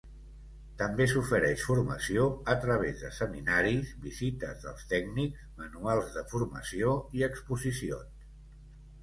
També s'ofereix formació a través de seminaris, visites dels tècnics, manuals de formació i exposicions.